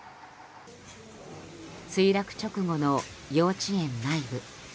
墜落直後の幼稚園内部。